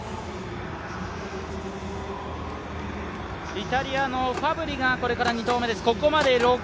イタリアのファブリが２投目です。